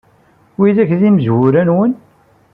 Widak d imezrawen-nwen?